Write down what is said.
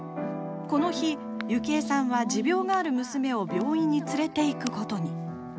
この日、ゆきえさんは持病がある娘を病院に連れていくことに。